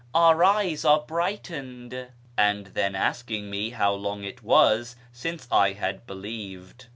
Our eyes are brightened !") and then asking me how long it was since I had believed.